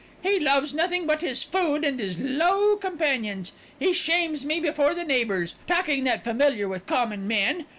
"He loves nothing but his food and his low companions. He shames me before the neighbours, talking that familiar with common men.